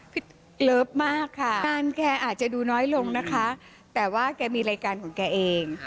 เลิฟมากค่ะงานแกอาจจะดูน้อยลงนะคะแต่ว่าแกมีรายการของแกเอง